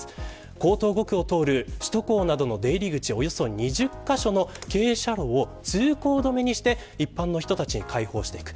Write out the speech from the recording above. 江東５区を通る首都高などの出入り口、およそ２０カ所の傾斜路を通行止めにして一般の人たちに開放していく。